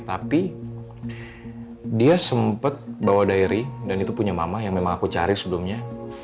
tapi dia sempat bawa dairy dan itu punya mama yang memang aku cari sebelumnya